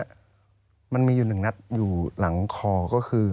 ทางนัดอยู่หลังคอก็คือ